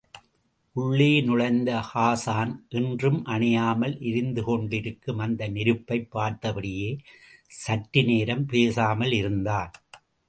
உள்ளே நுழைந்த ஹாஸான் என்றும் அணையாமல் எரிந்து கொண்டிருக்கும் அந்த நெருப்பைப் பார்த்தபடியே சற்றுநேரம் பேசாமல் இருந்தான்.